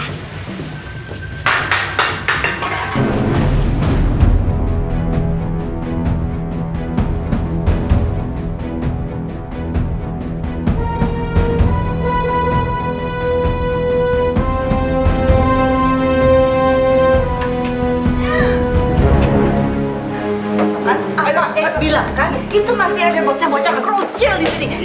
eh bilang kan itu masih ada bocah bocah kerucil di sini